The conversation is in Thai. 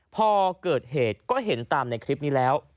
พอเกิดเหตุก็เห็นตามในคลิปนี้แล้ว